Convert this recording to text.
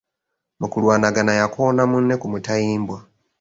Mu kulwanagana yakoona munne ku mutayimbwa.